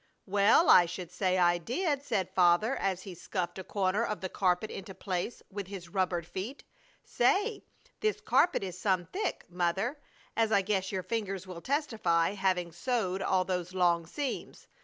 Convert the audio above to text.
"Well, I should say I did," said Father, as he scuffed a corner of the carpet into place with his rubbered feet. "Say, this carpet is some thick, Mother, as I guess your fingers will testify, having sewed all those long seams.